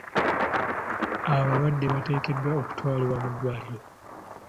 Abalwadde bateekeddwa okutwalibwa mu ddwaliro.